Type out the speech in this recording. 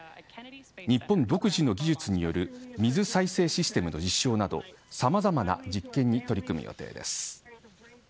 日本独自の技術による水再生システムの実証などさまざまな実験に取り組む予定です。